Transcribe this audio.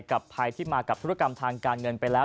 กับภัยที่มากับธุรกรรมทางการเงินไปแล้ว